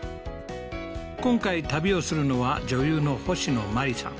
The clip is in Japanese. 今回旅をするのは女優の星野真里さん